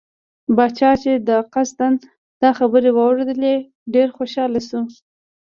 پاچا چې د قاصد دا خبرې واوریدلې ډېر خوشحاله شو.